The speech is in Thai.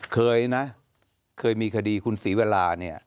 เคยนะเคยมีคดีคุณศรีเวลา